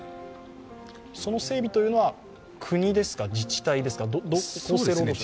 その整備というのは国ですか、自治体ですか、厚生労働省ですか？